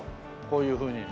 こういうふうに。